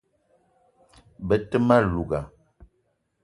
Be te ma louga